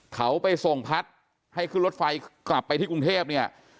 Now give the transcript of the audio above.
เขาไปส่งพัดให้ขึ้นรถไฟกลับไปที่กรุงเทพเนี่ย